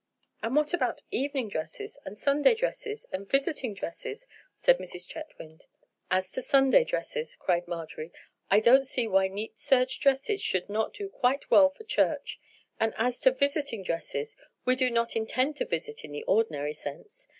"And what about evening dresses, and Sunday dresses, and visiting dresses?" said Mrs. Chetwynd. "As to Sunday dresses," cried Marjorie, "I don't see why neat serge dresses should not do quite well for church; and as to visiting dresses, we do not intend to visit in the ordinary sense.